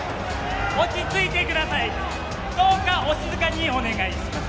落ち着いてくださいどうかお静かにお願いします